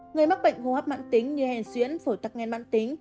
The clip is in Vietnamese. người mắc bệnh ngô hấp mãn tính như hèn xuyến phổi tắc nghen mãn tính